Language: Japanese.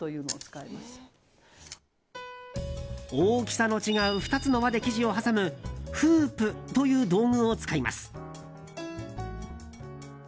大きさの違う２つの輪で生地を挟むフープという道具を使います。